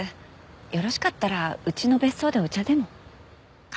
よろしかったらうちの別荘でお茶でも。